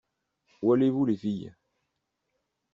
Où allez-vous, les filles?